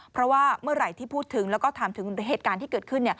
เพราะว่าเมื่อไหร่ที่พูดถึงแล้วก็ถามถึงเหตุการณ์ที่เกิดขึ้น